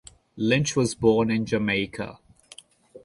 Lynch was born in Jamaica.